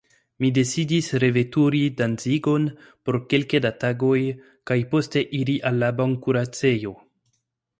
Mi decidis reveturi Danzigon por kelke da tagoj kaj poste iri al bankuracejo.